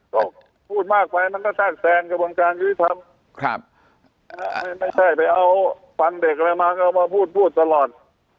ก็พูดมากไปมันก็แทรกแซงกระบวนการยุติธรรมไม่ใช่ไปเอาฟังเด็กอะไรมาก็เอามาพูดพูดตลอด